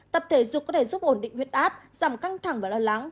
tập thể dục có thể giúp ổn định huyết áp giảm căng thẳng và lo lắng